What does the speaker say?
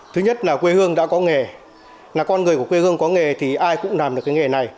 thứ nhất là quê hương đã có nghề là con người của quê hương có nghề thì ai cũng làm được cái nghề này